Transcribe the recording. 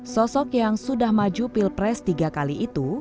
sosok yang sudah maju pilpres tiga kali itu